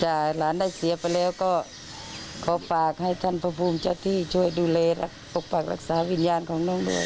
แต่หลานได้เสียไปแล้วก็ขอฝากให้ท่านพระภูมิเจ้าที่ช่วยดูแลปกปักรักษาวิญญาณของน้องด้วย